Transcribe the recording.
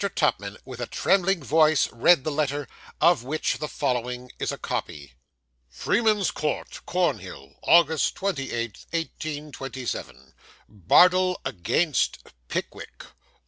Tupman, with a trembling voice, read the letter, of which the following is a copy: Freeman's Court, Cornhill, August 28th, 1827. Bardell against Pickwick.